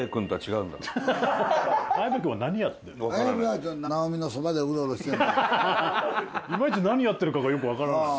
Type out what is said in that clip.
いまいち何やってるかがよくわからない。